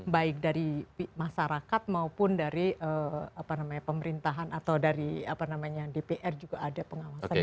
baik dari masyarakat maupun dari pemerintahan atau dari dpr juga ada pengawasannya